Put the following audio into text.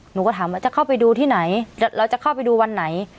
หนูก็ถามว่าจะเข้าไปดูที่ไหนเราจะเข้าไปดูวันไหน